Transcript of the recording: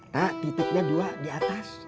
tak titiknya dua di atas